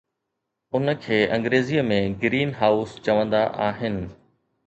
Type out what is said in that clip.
ان کي انگريزيءَ ۾ Green House چوندا آهن